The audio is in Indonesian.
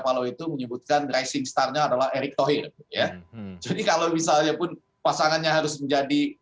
palau itu menyebutkan rising starnya adalah erick thohir ya jadi kalau misalnya pun pasangannya harus menjadi